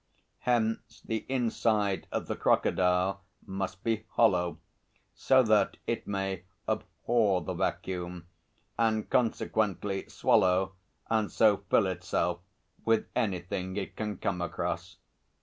Hence the inside of the crocodile must be hollow so that it may abhor the vacuum, and consequently swallow and so fill itself with anything it can come across.